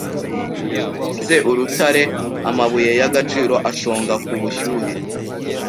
Ibigize urutare Amabuye y'agaciro ashonga ku bushyuhe